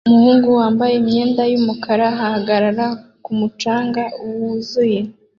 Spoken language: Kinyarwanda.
Umuhungu wambaye imyenda yumukara ahagarara ku mucanga wuzuye